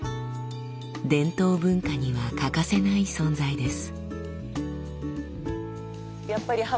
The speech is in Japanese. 伝統文化には欠かせない存在です。